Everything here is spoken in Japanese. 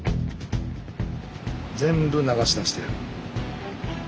全部流し出してやる。